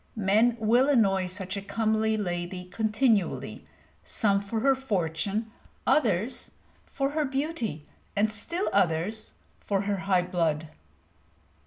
Men will annoy such a comely lady continually, some for her fortune, others for her beauty, and still others for her high blood.